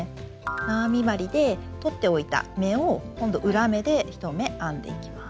なわ編み針で取っておいた目を今度裏目で１目編んでいきます。